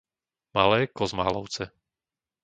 Malé Kozmálovce